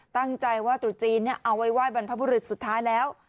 ตั้งใจว่าตรุษจีนเอาไว้ไหว้บรรพบุรุษสุดท้ายแล้ว